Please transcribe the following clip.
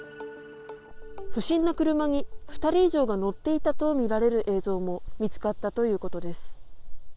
不審な車に２人以上が乗っていたとみられる映像も見つかったということです。